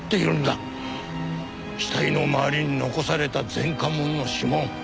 死体の周りに残された前科者の指紋。